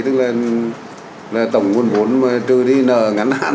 tức là tổng nguồn vốn mà trừ đi nợ ngắn hạn